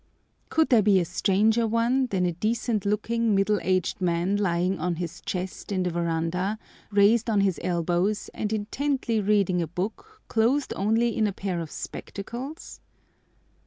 Could there be a stranger one than a decent looking middle aged man lying on his chest in the verandah, raised on his elbows, and intently reading a book, clothed only in a pair of spectacles?